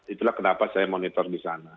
itulah kenapa saya monitor di sana